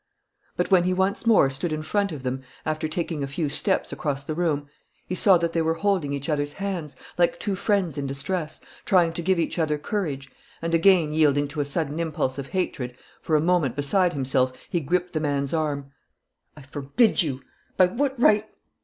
But, when he once more stood in front of them after taking a few steps across the room, he saw that they were holding each other's hands, like two friends in distress, trying to give each other courage; and, again yielding to a sudden impulse of hatred, for a moment beside himself, he gripped the man's arm: "I forbid you By what right